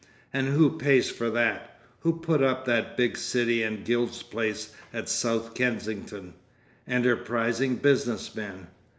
"And who pays for that? Who put up that big City and Guilds place at South Kensington? Enterprising business men!